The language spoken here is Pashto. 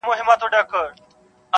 په نامه د شیرنۍ حرام نه خورمه,